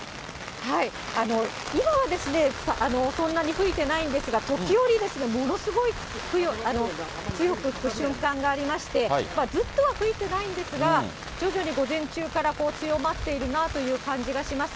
今はそんなに吹いてないんですが、時折、ものすごい、強く吹く瞬間がありまして、ずっとは吹いてないんですが、徐々に午前中から強まっているなという感じがします。